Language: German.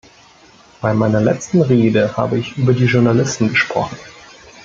Bei meiner letzen Rede habe ich über die Journalisten gesprochen.